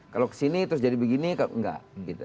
kalau ke sini terus jadi begini nggak